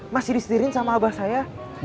masih disterilin sama abah saya